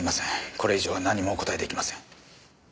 これ以上は何もお答えできません。